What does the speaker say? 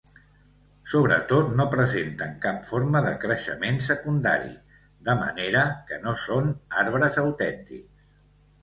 Sobretot no presenten cap forma de creixement secundari, de manera que no són arbres autèntics.